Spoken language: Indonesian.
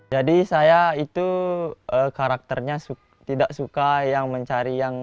jadi saya itu karakternya tidak suka yang mencari yang suka